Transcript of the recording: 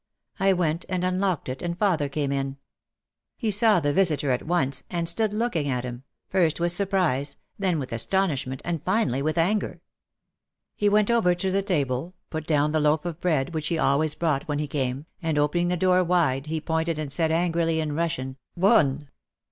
I went and unlocked it and father came in. He saw the vis itor at once and stood looking at him, first with surprise, then with astonishment and finally with anger. He went over to the table, put down the loaf of bread which he al ways brought when he came, and opening the door wide he pointed and said angrily in Russian "Vone